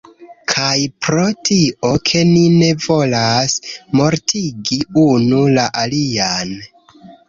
Kaj pro tio, ke ni ne volas mortigi unu la alian